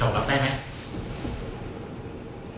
เขายอมรับได้ไหม